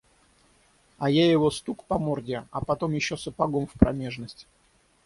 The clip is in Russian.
А я его стук по морде, а потом еще сапогом в промежность.